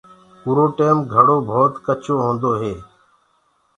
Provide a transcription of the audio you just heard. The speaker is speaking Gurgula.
اُرو ٽيم گھڙو ڀوت ڪچو هوندو هي۔